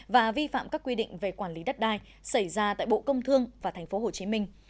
và vi phạm các quy định về quản lý đất đai xảy ra tại bộ công thương và thành phố hồ chí minh